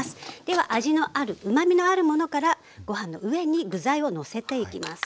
では味のあるうまみのあるものからご飯の上に具材をのせていきます。